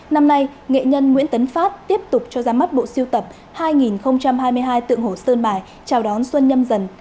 năm nay nghệ nhân nguyễn tấn phát tiếp tục cho ra mắt bộ siêu tập hai hai mươi hai tượng hồ sơn bài chào đón xuân nhâm dần